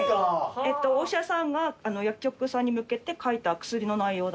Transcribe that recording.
お医者さんが薬局さんに向けて書いた薬の内容だと。